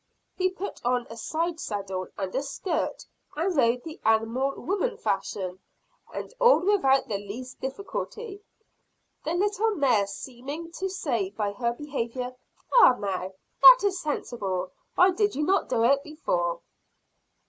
He put on a side saddle and a skirt, and rode the animal woman fashion and all without the least difficulty. The little mare seeming to say by her behavior, "Ah, now, that is sensible. Why did you not do it before?"